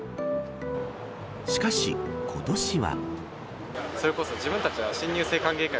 しかし今年は。